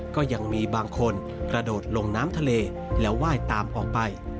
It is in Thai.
ก็ยังมีบางคนกระโดดลงน้ำทะเลแล้วไหว้ตามออกไป